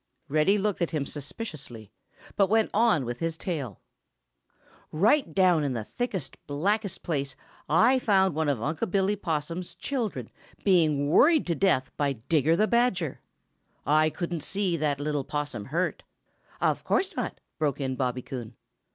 Reddy looked at him suspiciously, but went on with his tale. "Right down in the thickest, blackest place I found one of Unc' Billy Possum's children being worried to death by Digger the Badger. I couldn't see that little Possum hurt." "Of course not!" broke in Bobby Coon.